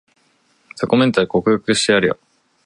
雑魚メンタル克服してやるよ